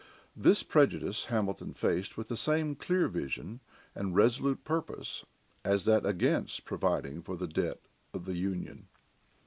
This prejudice Hamilton faced with the same clear vision and resolute purpose as that against providing for the debt of the Union.